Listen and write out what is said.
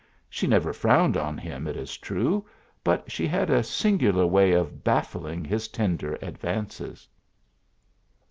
She never frowned on him, it is true, but she had a singular way of baffling his tender advances.